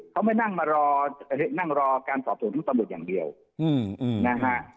เขาไม่นั่งมารอการสอบสวนทั้งตำหนดอย่างเดียวนะฮะ